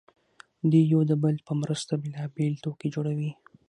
دوی یو د بل په مرسته بېلابېل توکي جوړوي